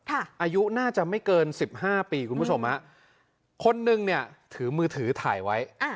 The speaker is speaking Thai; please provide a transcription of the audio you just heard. อายุน่าจะไม่เกินสิบห้าปีคุณผู้ชมฮะคนนึงเนี่ยถือมือถือถ่ายไว้